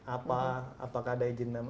apa apakah ada izin